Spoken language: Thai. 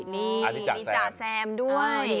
อภิจาแซมด้วย